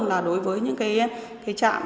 là đối với những cái trạm